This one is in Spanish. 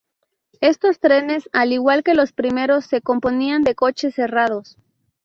Estos trenes, al igual que los primeros, se componían de coches cerrados.